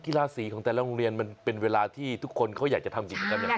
กีฬาสีของแต่ละโรงเรียนมันเป็นเวลาที่ทุกคนเขาอยากจะทำกิจกรรมอย่างไร